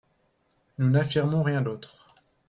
Nous n’affirmons rien d’autre.